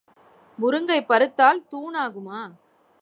முருங்கை பருத்தால் தூணாகுமா?